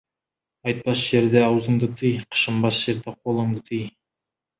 Айтпас жерде аузыңды тый, қышынбас жерде қолыңды тый.